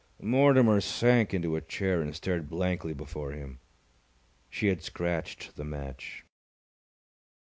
Mortimer sank into a chair, and stared blankly before him. She had scratched the match.